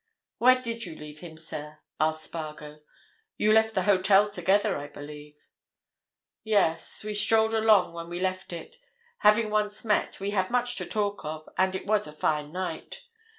"Where did you leave him, sir?" asked Spargo. "You left the hotel together, I believe?" "Yes. We strolled along when we left it. Having once met, we had much to talk of, and it was a fine night.